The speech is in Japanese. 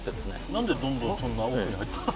何でどんどんそんな奥に入ってくの？